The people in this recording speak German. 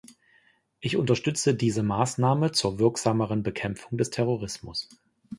Ich unterstütze diese Maßnahme zur wirksameren Bekämpfung des Terrorismus.